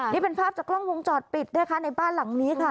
นี่เป็นภาพจากกล้องวงจรปิดนะคะในบ้านหลังนี้ค่ะ